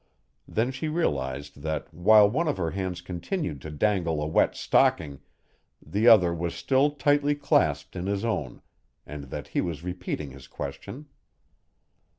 Then she realized that while one of her hands continued to dangle a wet stocking, the other was still tightly clasped in his own and that he was repeating his question.